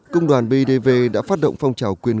cung đoàn bidv đã phát động phong trào quyền